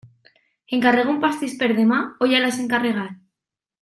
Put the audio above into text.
Encarrego un pastís per demà o ja l'has encarregat?